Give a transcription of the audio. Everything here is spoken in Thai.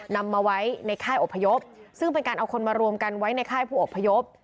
นำมาไว้ในค่ายอบพยพซึ่งเป็นการเอาคนมารวมกันไว้ในค่ายผู้อพยพ